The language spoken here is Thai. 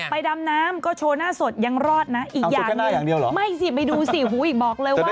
ไปดำน้ำก็โชว์หน้าสดยังรอดนะอีกอย่างนึงไม่สิไปดูสี่หูอีกบอกเลยว่า